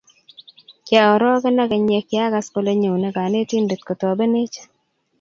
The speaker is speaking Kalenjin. Kiaoroken akeny ya kiagas kole nyone konetindet kotobwnech